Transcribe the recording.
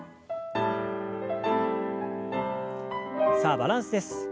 さあバランスです。